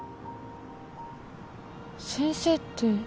先生って。